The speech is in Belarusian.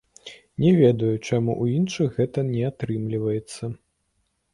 Не ведаю, чаму ў іншых гэта не атрымліваецца.